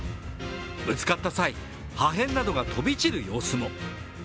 ぶつかった際、破片などが飛び散る様子も。